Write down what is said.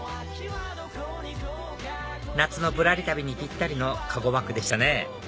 夏のぶらり旅にぴったりの籠バッグでしたね